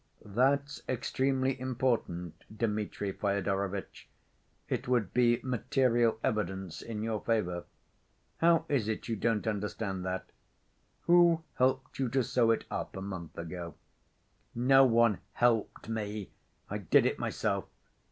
"That's extremely important, Dmitri Fyodorovitch. It would be material evidence in your favor. How is it you don't understand that? Who helped you to sew it up a month ago?" "No one helped me. I did it myself."